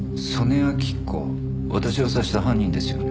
私を刺した犯人ですよね？